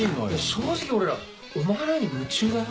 正直俺らお前の絵に夢中だよ。